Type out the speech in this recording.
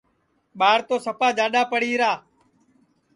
ٻار تو سپا جاڈؔا پڑی را